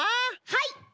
はい！